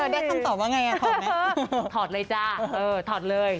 ได้ตั้งตอบว่าไงละขอบไหมถอดเลยจ้ะเออถอดเลย